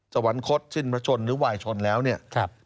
สวรรคตสิ้นพระชนหรือวายชนแล้วเนี่ย